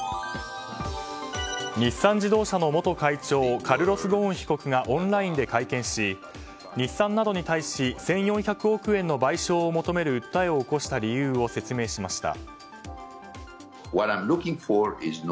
日産自動車の元会長カルロス・ゴーン被告がオンラインで会見し日産などに対し１４００億円の賠償を求める訴えを起こした理由を説明しました。